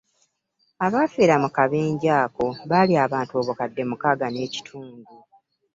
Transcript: Abafiira mu kabenje ako baali abantu obukadde mukaaga n'ekitundu.